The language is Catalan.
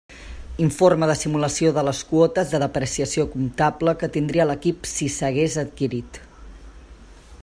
Informe de simulació de les quotes de depreciació comptable que tindria l'equip si s'hagués adquirit.